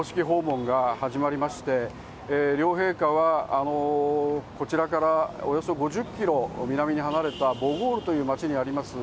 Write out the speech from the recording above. きょう月曜日から公式訪問が始まりまして、両陛下はこちらからおよそ５０キロ南に離れたボゴールという街にあります